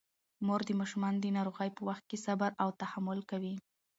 مور د ماشومانو د ناروغۍ په وخت کې صبر او تحمل کوي.